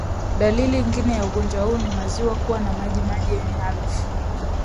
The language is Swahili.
Dalili nyingine ya ugonjwa huu ni maziwa kuwa na majimaji yenye harufu